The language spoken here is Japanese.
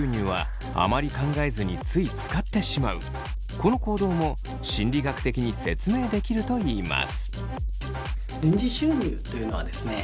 この行動も心理学的に説明できるといいます。